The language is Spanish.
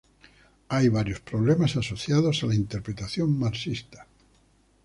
Hay varios problemas asociados a la interpretación marxista.